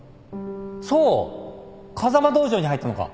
そう風間道場に入ったのか！